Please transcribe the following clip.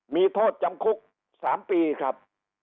มีโทษจำคุก๓ปีครับ